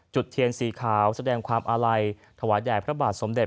เทียนสีขาวแสดงความอาลัยถวายแด่พระบาทสมเด็จ